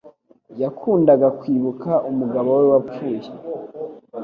Yakundaga kwibuka umugabo we wapfuye.